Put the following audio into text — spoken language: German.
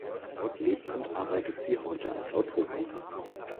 Dort lebt und arbeitet sie heute als Autorin.